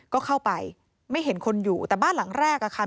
ก็เข้าไปไม่เห็นคนอยู่แต่บ้านหลังแรกอะค่ะ